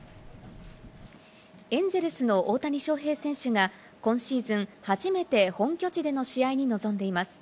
エンゼルスの大谷翔平選手が今シーズン初めて本拠地での試合に臨んでいます。